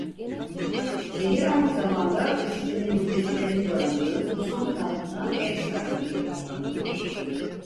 Şehir aynı zamanda Filistinli mültecilerin barındığı Husun Kampı'na ev sahipliği yapmaktadır.